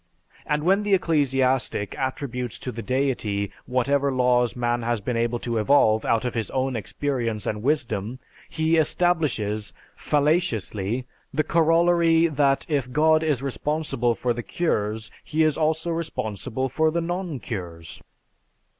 And when the ecclesiastic attributes to the Deity whatever laws man has been able to evolve out of his own experience and wisdom, he establishes, fallaciously, the corollary that if God is responsible for the cures, He is also responsible for the non cures.